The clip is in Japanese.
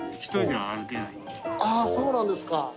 ああそうなんですか。